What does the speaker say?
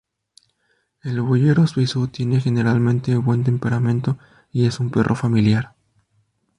El Boyero Suizo tiene generalmente buen temperamento y es un perro familiar.